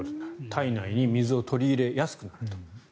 体内に水を取り入れやすくなる。